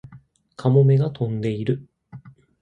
カモメが飛んでいる